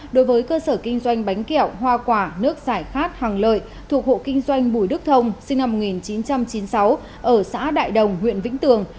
đối với cơ sở kinh doanh bánh kẹo hoa quả nước giải khát hàng lợi thuộc hộ kinh doanh bùi đức thông sinh năm một nghìn chín trăm chín mươi sáu ở xã đại đồng huyện vĩnh tường